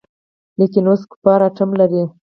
لکېن اوس کفار آټوم لري.